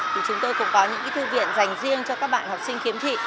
thì chúng tôi cũng có những thư viện dành riêng cho các bạn học sinh kiếm thị